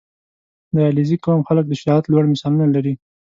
• د علیزي قوم خلک د شجاعت لوړ مثالونه لري.